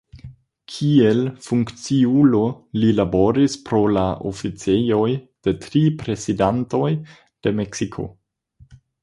Kiel funkciulo li laboris por la oficejoj de tri Prezidantoj de Meksiko.